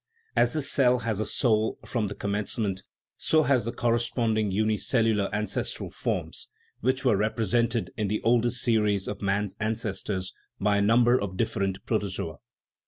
As this cell has a "soul" from the com mencement, so had also the corresponding unicellu THE RIDDLE OF THE UNIVERSE lar ancestral forms, which were represented in the old est series of man's ancestors by a number of different protozoa.